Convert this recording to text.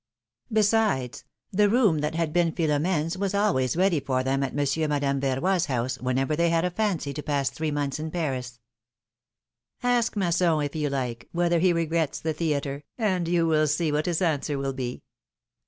Besides, the room that had been Philoraene's was always ready for them at Monsieur 324 philomI:ne's maeriages. and Madame Verroy^s house whenever they had a fancy to pass three months in Paris. Ask Masson, if you like, whether he regrets the theatre, and you will see what his answer will be